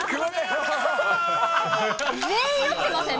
全員酔ってません？